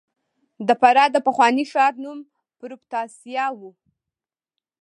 د فراه د پخواني ښار نوم پروفتاسیا و